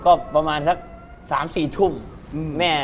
ก็ประมาณสัก๓๔ทุ่มแม่